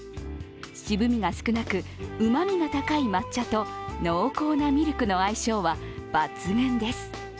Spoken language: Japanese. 渋みが少なく、うまみが高い抹茶と濃厚なミルクとの相性は抜群です。